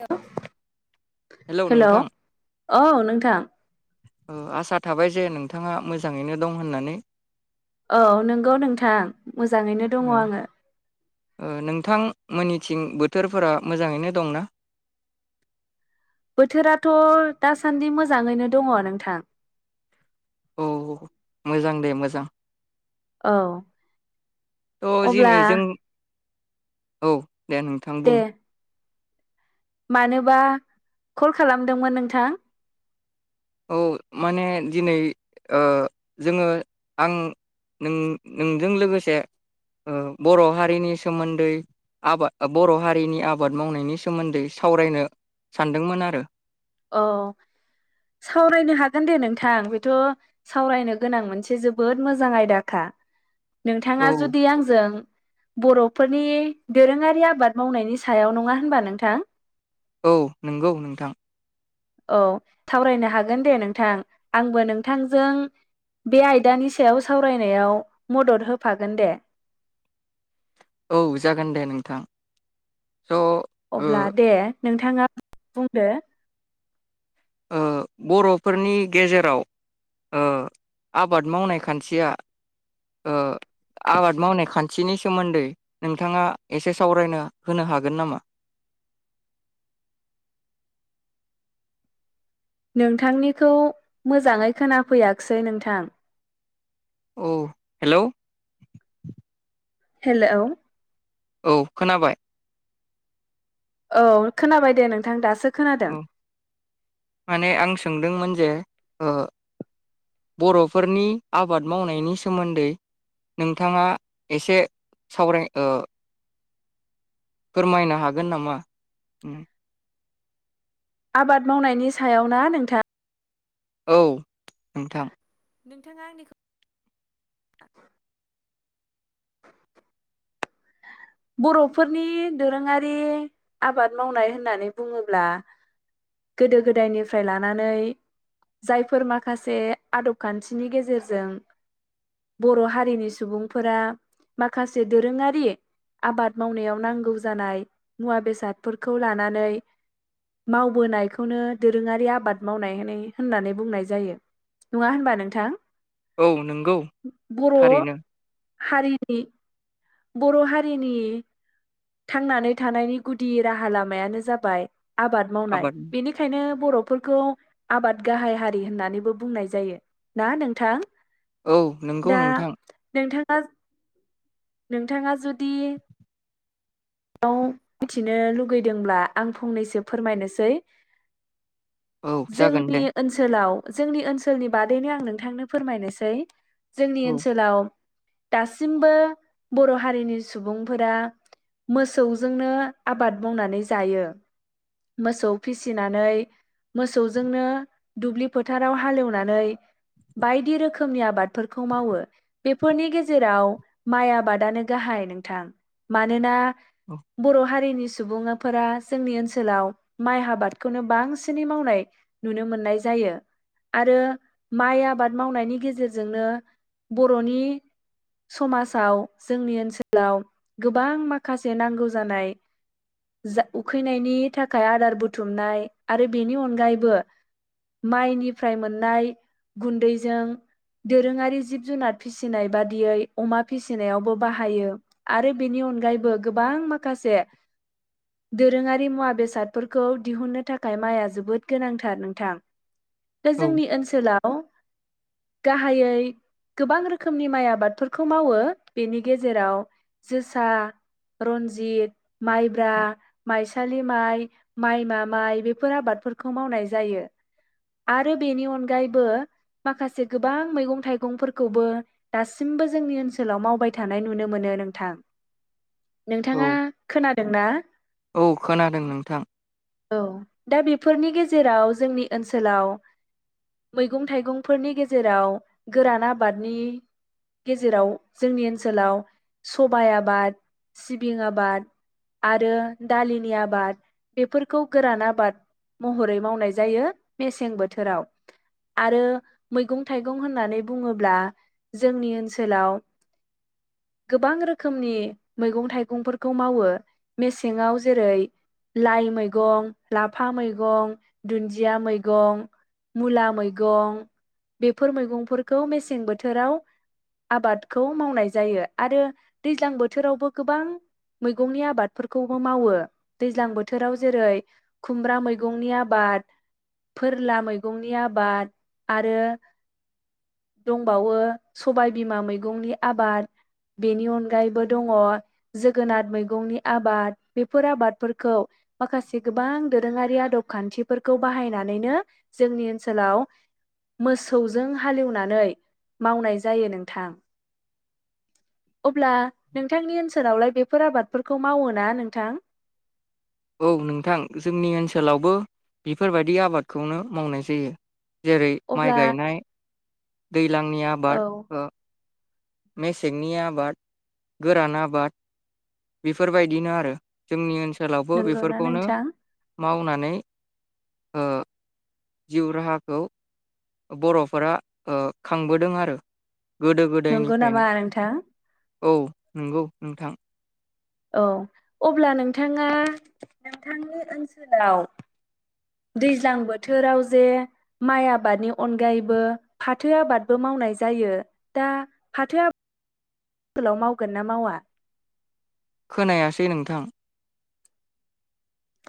Hello hello नोंथां औ नोंथां औ आसा थाबाय जे नोंथाङा मोजाङैनो दं होननानै औ नंगौ नोंथां मोजाङैनो दङ औ आङो नोंथां मोननिथिं बोथोरफोरा मोजाङैनो दंना बोथोराथ' दासान्दि मोजाङैनो दङ नोंथां औ मोजां दे मोजां औ औ अब्ला जिनै जों औ दे नोंथां बुं दे मानोबा कल खालामदोंमोन नोंथां? औ माने दिनै ओ जोङो आं नों नोंजों लोगोसे ओ बर' हारिनि सोमोन्दै आबाद बर' हारिनि आबाद मावनायनि सोमोन्दै सावरायनो सानदोंमोन आरो। औ सावरायनो हागोन दे नोंथां बेथ सावरायनो गोनां मोनसे जोबोद मोजां आयदाखा। नोंथाङा औ जुदि आंजों बर'फोरनि दोरोङारि आबाद मावनायनि सायाव नङा होनबा नोंथां? औ नोंगौ नोंथां। औ सावरायनो हागोन दे नोंथां। आंबो नोंथांजों बे आयदानि सायाव सावरायनायाव मदद होफागोन दे। औ जागोन दे नोंथां। स' ओ अब्ला दे नोंथाङा बुंदो। ओ बर'फोरनि गेजेराव ओ आबाद मावनाय खान्थिया ओ आबाद मावनाय खान्थिनि सोमोन्दै नोंथाङा एसे सावरायनो होनो हागोन नामा? नोंथांनिखौ मोजाङै खोनाफैयाख्सै नोंथां। औ हेलौ हेलौ औ खोनाबाय औ खोनाबाय दे नोंथां दासो। खोनादों औ माने आं सोंदोंमोन जे ओ बर'फोरनि आबाद मावनायनि सोमोन्दै नोंथाङा एसे सावराय ओ फोरमायनो हागोन नामा? ओम आबाद मावनायनि सायाव ना नोंथां? औ नोंथां नोंथाङा आंनिखौ बर'फोरनि दोरोङारि आबाद मावनाय होननानै बुङोब्ला गोदो गोदायनिफ्राय लानानै जायफोर माखासे आदब खान्थिनि गेजेरजों बर' हारिनि सुबुंफोरा माखासे दोरोङारि आबाद मावनायाव नांगौ जानाय मुवा बेसादफोरखौ लानानै माव बोनायखौनो दोरोङारि आबाद मावनाय होनै होननानै बुंनाय जायो। नङा होनबा नोंथां? औ नोंगौ बर' थारैनो। हारिनि बर' हारिनि थांनानै थानायनि गुदि राहा लामायानो जाबाय आबाद मावनाय बेनिखायनो बर'फोरखौ आबाद गाहाय हारि होननानैबो बुंनाय जायो। ना नोंथां? औ नोंगौ नोंथां। बाज नोंथाङा जुदि बाव मिथिनो लुगैदोंब्ला आं फंनैसो फोरमायनोसै। औ जागोन जोंनि दे ओनसोलाव जोंनि ओनसोलनि बादैनो आं नोंथांनो फोरमायनोसै। जोंनि औ ओनसोलाव दासिमबो बर' हारिनि सुबुंफोरा मोसौजोंनो आबाद मावनानै जायो। मोसौ फिसिनानै मोसौजोंनो दुब्लि फोथाराव हालेवनानै बायदि रोखोमनि आबादफोरखौ मावो। बेफोरनि गेजेराव माइ आबादानो गाहाय नोंथां। मानोना औ बर' हारिनि सुबुङाफोरा जोंनि ओनसोलाव माइ आबादखौनो बांसिनै मावनाय नुनो मोननाय जायो आरो माइ आबाद मावनायनि गेजेरजोंनो बर'नि समासाव जोंनि ओनसोलाव गोबां माख खासे नांगौ जानाय जा उखैनायनि थाखाय आदार बुथुमनाय आरो बेनि अनगायैबो माइनिफ्राय मोननाय गुन्दैजों दोरोङारि जिब जुनार फिसिनाय बादियै अमा फिसिनायावबो बाहायो आरो बेनि अनगायै बो गोबां माखासे दोरोङारि मुवा बेसादफोरखौ दिहुननो थाखाय माइआ जोबोद गोनांथार नोंथां दा औ जोंनि ओनसोलाव गाहायै गोबां रोखोमनि माइ आबादफोरखौ मावो बेनि गेजेराव जोसा रनजित माइब्रा माइसालि माइ माइमा माइ बेफोर आबादफोरखौ मावनाय जायो आरो बेनि अनगायैबो माखासे गोबां मैगं थाइगंफोरखौबो दासिमबो जोंनि ओनसोलाव मावबाय थानाय नुनो मोनो नोंथां औ नोंथाङा खोनादोंना औ खोनादों नोंथां औ दा बेफोरनि गेजे जेराव जोंनि ओनसोलाव मैगं थाइगंफोरनि गेजेराव गोरान आबादनि गेजेराव जोंनि ओनसोलाव सबाइ आबाद सिबिं आबाद आरो दालिनि आबाद बेफोरखौ गोरान आबाद महरै मावनाय जायो मेसें बोथोराव आरो मैगं थाइगं होननानै बुङोब्ला जोंनि ओनसोलाव गोबां रोखोमनि मैगं थाइगंफोरखौ मावो मेसेङाव जेरै लाइ मैगं लाफा मैगं दुन्दिया मैगं मुला मैगं बेफोर मैगंफोरखौ मेसें बोथोराव आबादखौ मावनाय जायो आरो दैज्लां बोथोरावबो गोबां मैगंनि आबादफोरखौबो मावो दैज्लां बोथोराव जेरै खुमब्रा मैगंनि आबाद फोरला मैगंनि आबाद आरो दंबावो सबायबिमा मैगंनि आबाद बेनि अनगायैबो दङ जोगोनाद मैगंनि आबाद बेफोर आबादफोरखौ माखासे गोबां दोरोङारि आदब खान्थिफोरखौ बाहायनानैनो जोंनि ओनसोलाव मोसौजों हालेवनानै मावनाय जायो नोंथां अब्ला नोंथांनि ओनसो लावलाय बेफोर आबादफोरखौ मावो ना नोंथां औ नोंथां जोंनि ओनसोलावबो बिफोरबायदि आबादखौनो मावनाय जायो जेरै माइ अब्ला गायनाय दैज्लांनि औ आबाद ओ मेसेंनि आबाद गोरान आबाद बिफोरबायदिनो आरो जोंनि ओनसो सोलावबो नंगौना बेफोरखौनो नोंथां मावनानै ओ जिउ राहाखौ बर'फोरा ओ खांबोदों आरो गोदो नंगौ गोदायनिफ्रायनो नामा नोंथां औ नोंगौ नोंथां औ अब्ला नोंथाङा नोंथांनि ओनसोलाव दैज्लां बोथोराव जे माइ आबादनि अनगायैबो फाथो आबादबो मावनाय जायो दा [inaudible] लाव मावगोन ना मावा खोनायासै नोंथां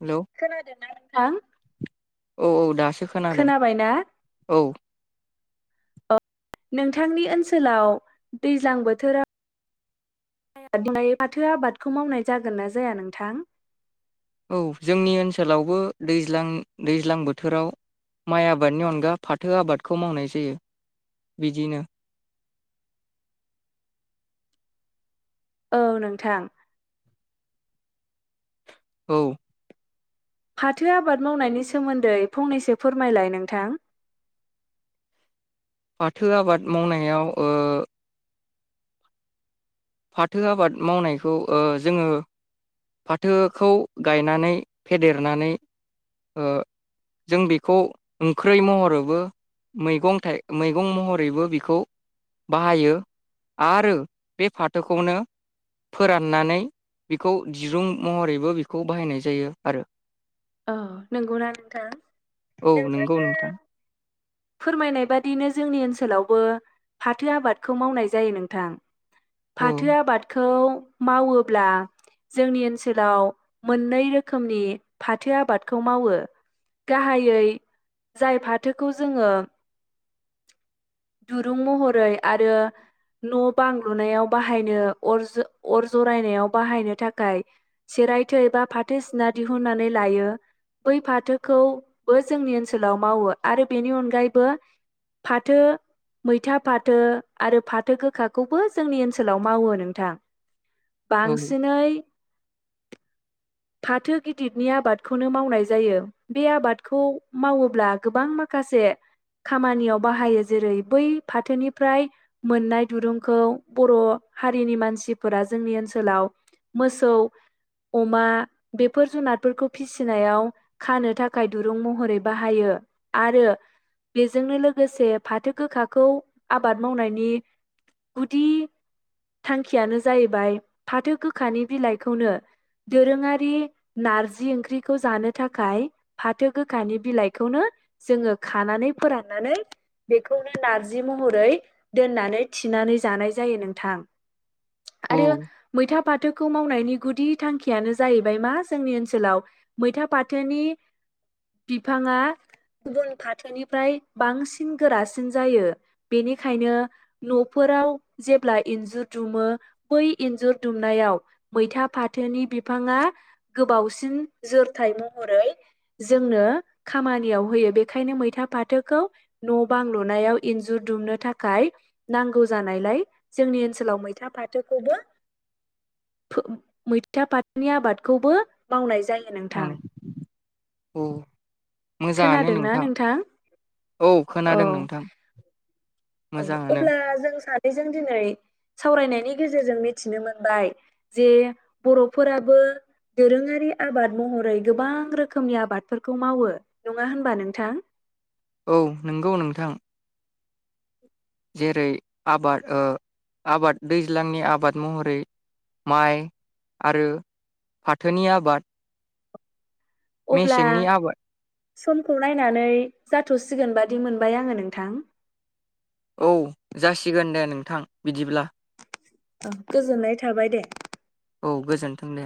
हेलौ खोनादों ना थां औ औ दास सो खोनादों औ नोंथांनि ओनसोलाव दैज्लां बोथोराव [inaudible] फाथो आबादखौ मावनाय जागोन ना जाया नोंथां औ जोंनि ओनसोलावबो दैज्लां दैज्लां बोथोराव माइ आबादनि अनगा फाथो आबादखौ मावनाय जायो बिदिनो औ नोंथां औ फाथो आबाद मावनायनि सोमोन्दै फंनैसो फोरमायलाय नोंथां थो आबाद मावनायाव ओ फाथो आबाद मावनायखौ ओ जोङो फाथोखौ गायनानै फेदेरनानै ओ जों बेखौ ओंख्रै महरैबो मैगं थाइ मैगं महरैबो बेखौ बाहायो आरो बे फाथ फाथो खौनो फोराननानै बेखौ दिरुं महरैबो बेखौ बाहायनाय जायो आरो अ नोंगौना नोंथां औ नंगौ नोंथाङा नोंथां फोरमायनाय बादिनो जोंनि ओनसोलावबो फाथो आबादखौ मावनाय जायो नोंथां औ फाथो आबादखौ मावोब्ला जोंनि ओनसोलाव मोननै रोखोमनि फाथो आबादखौ मावो। गाहायै जाय फाथोखौ जोङो दुरुं महरै आरो न बां लुनायाव बाहायनो अर अर जरायनायाव बाहायनो थाखाय सेरायथै बा फाथो सिना दिहुननानै लायो। बै फाथोखौबो जोंनि ओनसोलाव मावो आरो बेनि अनगायैबो फाथो मैथा फाथो आरो फाथो गोखाखौबो जोंनि ओनसोलाव मावो नोंथां। औ बांसिनै फाथो गिदिरनि आबादखौनो मावनाय जायो। बे आबादखौ मावोब्ला गोबां माखासे खामानियाव बाहायो। जेरै बै फाथोनिफ्राय मोननाय दुरुंखौ बर' हारिनि मानसिफोरा जोंनि ओनसोलाव मोसौ अमा बेफोर जुनारफोरखौ फिसिनायाव खानो थाखाय दुरुं महरै बाहायो आरो बेजोंनो लोगोसे फाथो गोखाखौ आबाद मावनायनि गुदि थांखियानो जाहैबाय फाथो गोखानि बिलाइखौनो दोरोङारि नारजि ओंख्रिखौ जानो थाखाय फाथो गोखानि बिलाइखौनो जोङो खानानै फोराननानै बे खौनो नारजि महरै दोननानै थिनानै जानाय जायो नोंथां। औ आरो मैथा फाथोखौ मावनाय गुदि थांखियनो जाहैबाय मा जोंनि ओनसोलाव मैथा फाथोनि बिफाङा गुबुन फाथोनिफ्राय बांसिन गोरा बांसिन जायो बेनिखायनो नफोराव जेब्ला इन्जुर दुमो बै इन्जुर दुमनायाव मैथा फाथोनि बिफाङा गोबावसिन जोरथाय महरै जोंनो खामानियाव होयो। बेखायनो मैथा फाथोखौ न बां लुनायाव इन्जुर दुमनो थाखाय नांगौ जानायलाय जोंनि ओनसोलाव मैथा फाथोखौबो मैथा फाथोनि आबादखौबो मावनाय जायो। औ नोंथां मोजाङानो नोंथां औ खोनादों औ नोंथां। औ मोजाङानो अब्ला जों सानो जों दिनै सावरायनायनि गेजेरजों मिथिनो मोनबाय जे बर'फोराबो दोरोङारि आबाद महरै गोबां रोखोमनि आबादफोरखौ मावो नङा होनबा नोंथां औ नंगौ नोंथां जेरै आबाद ओ आबाद दैज्लांनि आबाद महरै माइ आरो फाथोनि आबाद अब्ला मेसेंनि आबाद समखौ नायनानै जाथसिगोन बादि मोनबाय आङो नोंथां। औ जासिगोन दे नोंथां बिदिब्ला। गोजोननाय थाबाय दे। औ गोजोन्थों दे।